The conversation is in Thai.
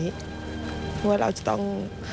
เพราะว่าเราจะต้อง